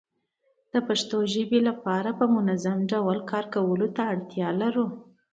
پښتو ژبې لپاره په منظمه ډول کار کولو ته اړتيا لرو